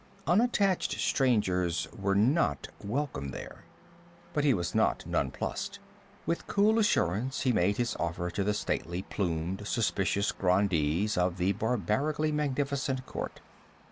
Unattached strangers were not welcome there. But he was not nonplussed. With cool assurance he made his offer to the stately plumed, suspicious grandees of the barbarically magnificent court.